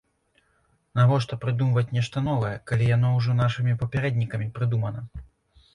Навошта прыдумваць нешта новае, калі яно ўжо нашымі папярэднікамі прыдумана?